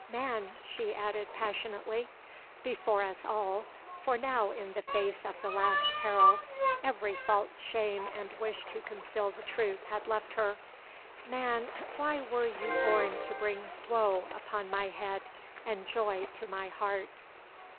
"Man," she added passionately, before us all, for now in face of the last peril every false shame and wish to conceal the truth had left her; "man, why were you born to bring woe upon my head and joy to my heart?